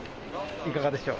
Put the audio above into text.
いかがでしょう。